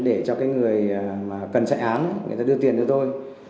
để cho người cần chạy án người ta đưa tiền cho tôi